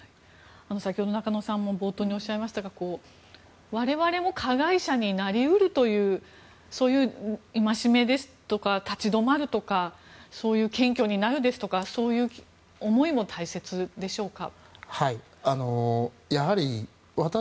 先ほど中野さんも冒頭におっしゃいましたが我々も加害者になり得るという戒めですとか立ち止まるとか謙虚になるとかそういう思いも大切でしょうか。